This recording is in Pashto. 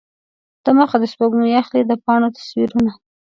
دمخه د سپوږمۍ اخلي د پاڼو تصویرونه